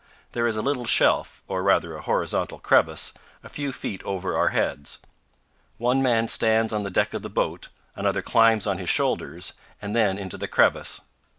There is a little shelf, or rather a horizontal crevice, a few feet over our heads. One man stands on the deck of the boat, another climbs on his shoulders, and then into the crevice.